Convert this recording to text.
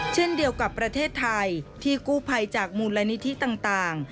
เช่นเดียวกับประเทศไทยที่กู้ภัยจากมูลนิธิต่าง